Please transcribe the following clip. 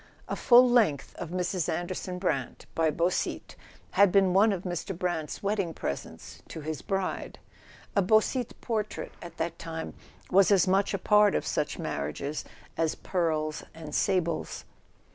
A full length of Mrs. Anderson Brant by Beausite had been one of Mr. Brant's wedding presents to his bride; a Beausite portrait, at that time, was as much a part of such marriages as pearls and sables.